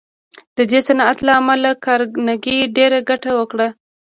د دې صنعت له امله کارنګي ډېره ګټه وکړه